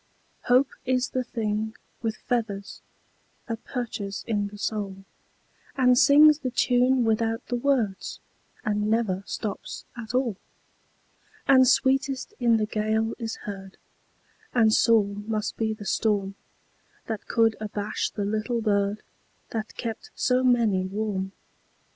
Hope is the thing with feathers That perches in the soul, And sings the tune without the words, And never stops at all, And sweetest in the gale is heard; And sore must be the storm That could abash the little bird That kept so many warm.